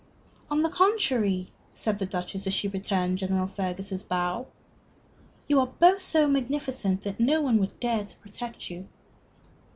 "On the contrary," said the Duchess, as she returned General Fergus's bow, "you are both so magnificent that no one would dare to protect you."